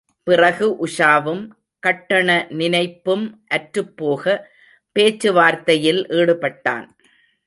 பிறகு உஷாவும், கட்டண நினைப்பும் அற்றுப்போக பேச்சு வார்த்தையில் ஈடுபட்டான்.